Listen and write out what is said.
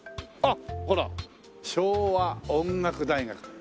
ああほら「昭和音楽大学」。